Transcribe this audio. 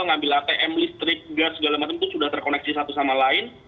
ngambil atm listrik gas segala macam itu sudah terkoneksi satu sama lain